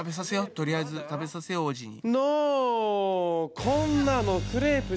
とりあえず食べさせよう王子に。